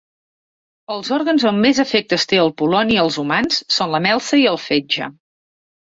Els òrgans on més efectes té el poloni als humans són la melsa i el fetge.